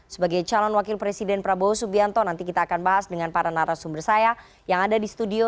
sebagai calon wakil presiden prabowo subianto nanti kita akan bahas dengan para narasumber saya yang ada di studio